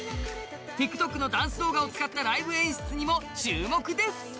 ＴｉｋＴｏｋのダンス動画を使ったライブ映像にも注目です。